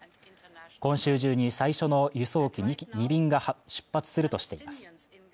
今週中に最初の輸送機２便が出発するとしています